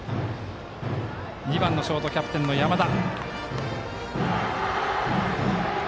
２番のショートキャプテンの山田。